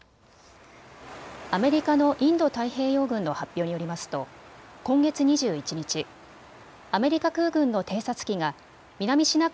アメリカのインド太平洋軍の発表によりますと今月２１日、アメリカ空軍の偵察機が南シナ海